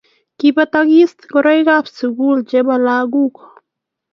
Kibetakis ngoroikab sukul chebo lagok